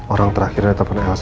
orang terakhir yang terkenal